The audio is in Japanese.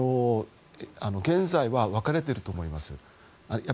現在は分かれていると思います。